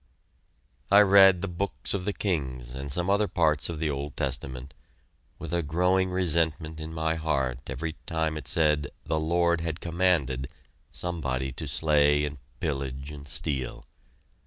I read the Books of the Kings and some other parts of the Old Testament, with a growing resentment in my heart every time it said the "Lord had commanded" somebody to slay and pillage and steal.